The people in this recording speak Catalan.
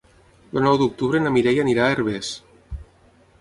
El nou d'octubre na Mireia anirà a Herbers.